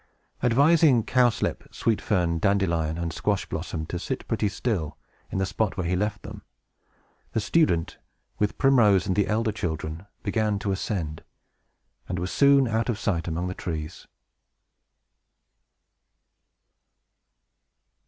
Advising Cowslip, Sweet Fern, Dandelion, and Squash Blossom to sit pretty still, in the spot where he left them, the student, with Primrose and the elder children, began to ascend, and were soon out of sight among the trees.